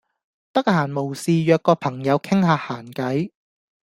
得閒無事約個朋友傾吓閒偈